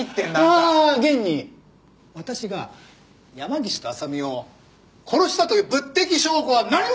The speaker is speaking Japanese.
ああ現に私が山岸と浅見を殺したという物的証拠は何もない！